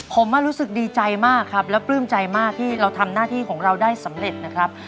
ผมรู้สึกดีใจมากครับแล้วปลื้มใจมากที่เราทำหน้าที่ของเราได้สำเร็จนะครับ